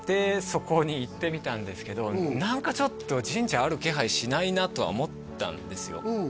そこに行ってみたんですけど何かちょっと神社ある気配しないなとは思ったんですよ